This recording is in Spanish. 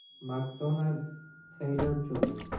MacDonald Taylor Jr.